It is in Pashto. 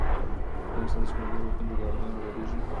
آیا ستاسو په نظر وطن په دعاګانو اباديږي؟